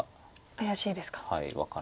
怪しいですか。